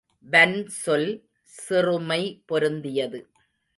வன்சொல், சிறுமை பொருந்தியது.